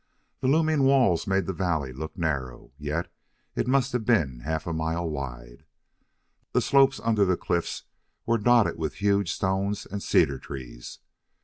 The looming walls made the valley look narrow, yet it must have been half a mile wide. The slopes under the cliffs were dotted with huge stones and cedar trees.